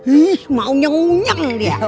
ih mau nyeng nyeng dia